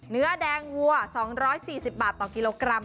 เนื้อแดงวัว๒๔๐บาทต่อกิโลกรัม